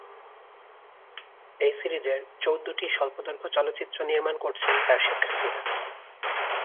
এই সিরিজের চৌদ্দটি স্বল্পদৈর্ঘ্য চলচ্চিত্র নির্মান করছেন তার শিক্ষার্থীরা।